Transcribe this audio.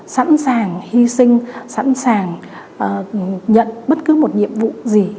sẵn sàng hy sinh sẵn sàng nhận bất cứ một nhiệm vụ gì